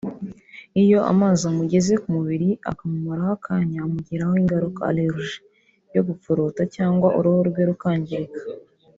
Iyo amazi amugeze ku mibiri akamumaraho akanya amugiraho ingaruka (allergie) yo gupfuruta cyangwa uruhu rwe rukangirika